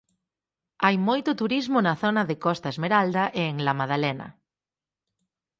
Hai moito turismo na zona de Costa Esmeralda e en La Maddalena.